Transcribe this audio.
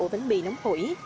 của bánh mì nóng hổi